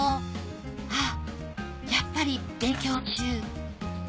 あっやっぱり勉強中